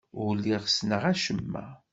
Ur lliɣ ssneɣ acemma.